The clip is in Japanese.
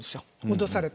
脅されて。